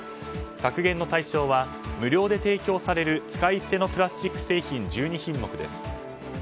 削減の対象は無料で提供される使い捨てのプラスチック製品１２品目です。